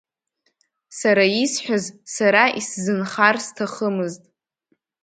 Сара исҳәаз сара исзынхар сҭахымызт…